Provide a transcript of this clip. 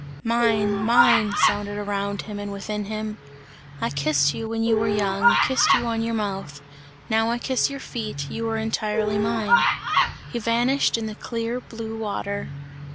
"Mine, mine!" sounded around him and within him. "I kissed you, when you were young, kissed you on your mouth! Now I kiss your feet, you are entirely mine!" He vanished in the clear blue water.